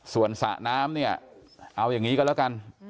ส่วนสระน้ำเนี่ยเอาอย่างนี้ก็แล้วกัน